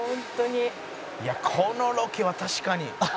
「いやこのロケは確かに」